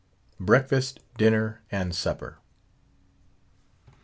BREAKFAST, DINNER, AND SUPPER.